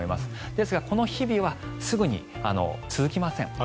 ですが、この日々は続きません。